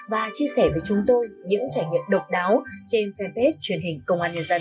và chia sẻ với chúng tôi những trải nghiệm độc đáo trên fanpage truyền hình công an nhân dân